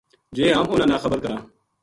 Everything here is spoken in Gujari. جے ہم اُنھاں نا خبر کراں